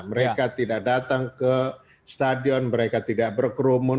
mereka tidak datang ke stadion mereka tidak berkerumun